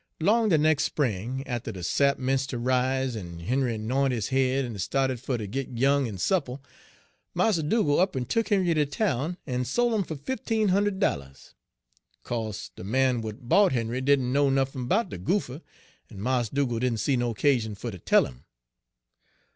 'Long de nex' spring, atter de sap 'mence' ter rise, en Henry 'n'int Page 25 'is head en sta'ted fer ter git young en soopl, Mars Dugal' up 'n tuk Henry ter town, en sole 'im fer fifteen hunder' dollars. Co'se de man w'at bought Henry didn' know nuffin 'bout de goopher, en Mars Dugal' didn' see no 'casion fer ter tell 'im.